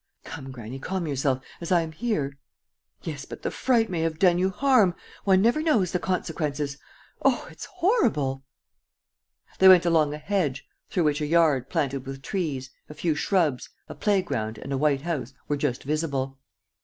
"Come, granny, calm yourself, as I am here. ..." "Yes, but the fright may have done you harm. ... One never knows the consequences. ... Oh, it's horrible! ..." They went along a hedge, through which a yard planted with trees, a few shrubs, a playground and a white house were just visible.